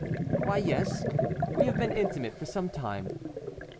"Why, yes; we have been intimate for some time."